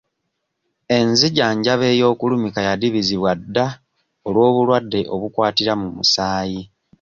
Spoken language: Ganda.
Enzijanjaba ey'okulumika yadibizibwa dda olw'obulwadde obukwatira mu musaayi.